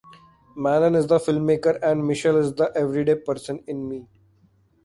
Manon is the filmmaker and Michelle is the everyday person in me.